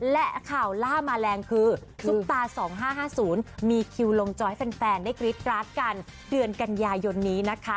และข่าวล่ามาแรงคือซุปตา๒๕๕๐มีคิวลงจอให้แฟนได้กรี๊ดกราดกันเดือนกันยายนนี้นะคะ